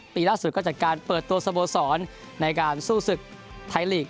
ปีล่าสุดก็จัดการเปิดตัวสโมสรในการสู้ศึกไทยลีก